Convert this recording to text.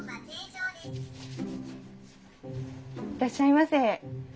いらっしゃいませ。